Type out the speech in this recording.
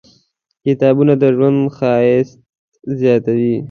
کتابونه د ژوند ښایست زیاتوي.